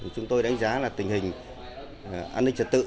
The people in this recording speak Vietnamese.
chúng tôi đánh giá là tình hình an ninh trật tự